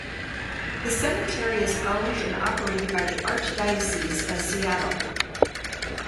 The cemetery is owned and operated by the Archdiocese of Seattle.